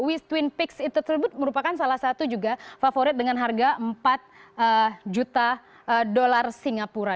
west twin pix itu tersebut merupakan salah satu juga favorit dengan harga empat juta dolar singapura